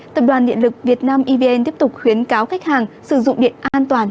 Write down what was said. tập đoàn điện lực việt nam evn tiếp tục khuyến cáo khách hàng sử dụng điện an toàn